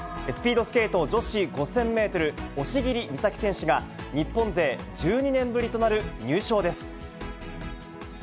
スピードスケート女子５０００メートル、押切美沙紀選手が、日本勢１２年ぶりとなる入賞です。